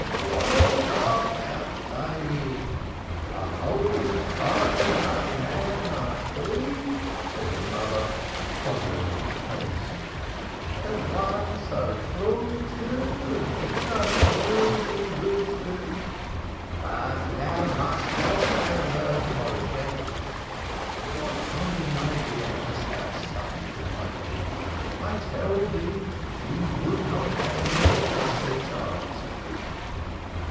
"What art thou saying? A wholly fine young man like thee," said his mother, fondling his side ringlets, "and one so froom too, and with such worldly wisdom. But thou must not have her, Méshe." "What kind of idea thou stuffest into my head! I tell thee she would not have me if I sent to ask."